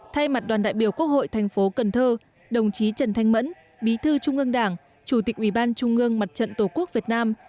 thay mặt đoàn đại biểu quốc hội thành phố cần thơ đồng chí trần thanh mẫn bí thư trung ương đảng chủ tịch ủy ban trung ương mặt trận tổ quốc việt nam